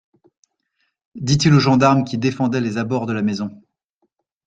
Dit-il au gendarme qui défendait les abords de la maison.